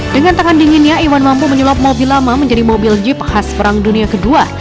dengan tangan dinginnya iwan mampu menyulap mobil lama menjadi mobil jeep khas perang dunia ii